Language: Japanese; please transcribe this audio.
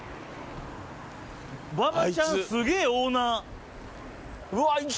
馬場ちゃんすげえオーナー。